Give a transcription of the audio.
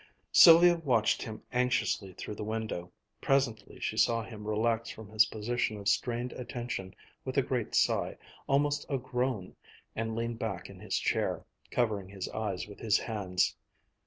Sylvia watched him anxiously through the window. Presently she saw him relax from his position of strained attention with a great sigh, almost a groan, and lean back in his chair, covering his eyes with his hands.